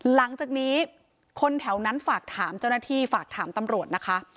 หลังจากนี้คนแถวนั้นฝากถามเจ้าหน้าที่ฝากถามตำรวจนะคะ